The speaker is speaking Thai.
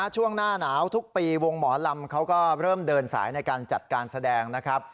ช่วงหน้าหนาวทุกปีวงหมอลำเขาก็เริ่มเดินสายในการจัดการแสดงนะครับ